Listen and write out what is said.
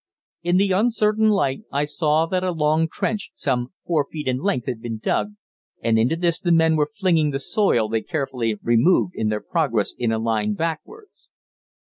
In the uncertain light I saw that a long trench some four feet in depth had been dug, and into this the men were flinging the soil they carefully removed in their progress in a line backwards.